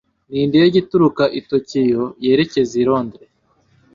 Ni indege ituruka i Tokiyo yerekeza i Londres.